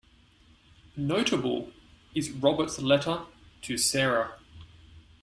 Notable is Robert's letter to Sarah.